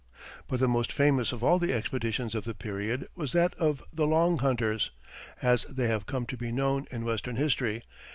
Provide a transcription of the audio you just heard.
But the most famous of all the expeditions of the period was that of the "Long Hunters," as they have come to be known in Western history.